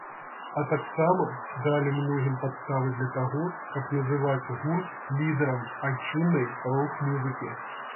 А таксама далі многім падставы для таго, каб называць гурт лідарам айчыннай рок-музыкі.